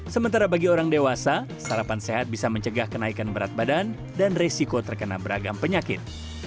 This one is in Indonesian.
sementara bagi orang dewasa sarapan sehat bisa mencegah kenaikan berat badan dan resiko terkena beragam penyakit